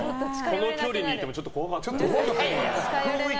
この距離にいてもちょっと怖かった。